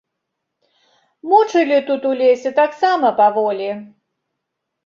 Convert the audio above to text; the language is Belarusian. Мучылі тут у лесе таксама паволі.